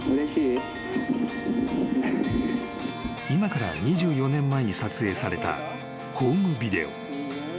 ［今から２４年前に撮影されたホームビデオ］